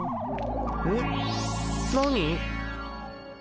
えっ？何？